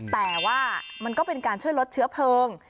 แต่ว่ามันก็เป็นการช่วยลดเชื้อเพลิง